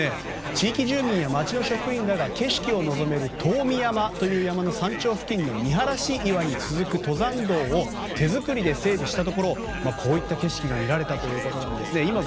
地域住民や町の職員らが景色を望める遠見山という山の山頂付近の見晴らし岩に続く登山道を手作りで整備したところこういった景色が見られたということです。